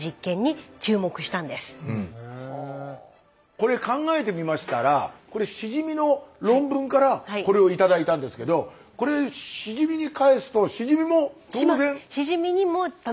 これ考えてみましたらシジミの論文からこれを頂いたんですけどこれシジミに返すとシジミも当然。